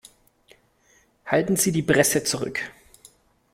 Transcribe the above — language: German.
Halten Sie die Presse zurück!